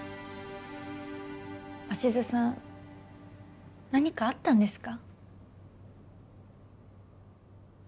鷲津さん何かあったんですか？